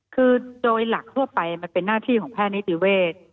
คือโดยหลักทั่วไปมันเป็นหน้าที่ของแพทย์นิติเวศ